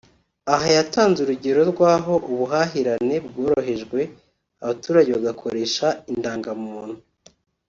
Aha yatanze urugero rw’aho ubuhahirane bworohejwe abaturage bagakoresha indangamuntu